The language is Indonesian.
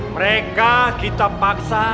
mereka kita paksa